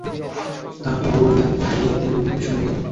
তারপর ডুবো ডিমের মধ্যে ডুবিয়ে তেলে ভেজে কিছু সময় রেখে দিন।